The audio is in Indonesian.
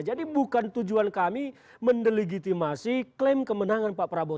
jadi bukan tujuan kami mendilegitimasi klaim kemenangan pak prabowo